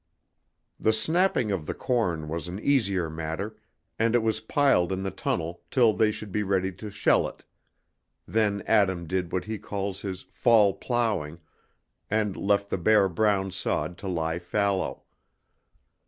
The snapping of the corn was an easier matter, and it was piled in the tunnel till they should be ready to shell it. Then Adam did what he called his "fall plowing," and left the bare brown sod to lie fallow.